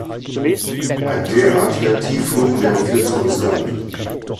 Ein derartiger Tiefflug wäre viel zu riskant.